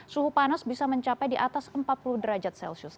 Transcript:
suhu panas bisa mencapai di atas empat puluh derajat celcius